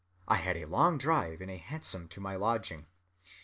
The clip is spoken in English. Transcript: I had a long drive in a hansom to my lodging.